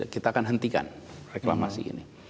kita akan hentikan reklamasi ini